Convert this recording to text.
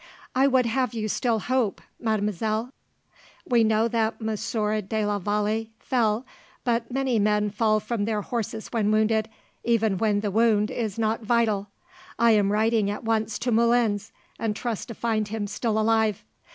"I would have you still hope, mademoiselle. We know that Monsieur de la Vallee fell, but many men fall from their horses when wounded, even when the wound is not vital. I am riding at once to Moulins, and trust to find him still alive.